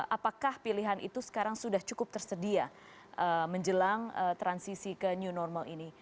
apakah pilihan itu sekarang sudah cukup tersedia menjelang transisi ke new normal ini